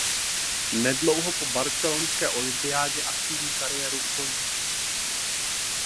Nedlouho po barcelonské olympiádě aktivní kariéru ukončil.